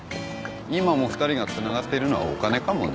今も２人がつながっているのはお金かもね。